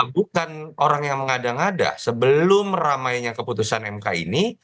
bukan orang yang mengada ngada sebelum ramainya keputusan mk ini